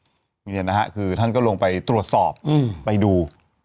นี่นะฮะคือท่านก็ลงไปตรวจสอบไปดู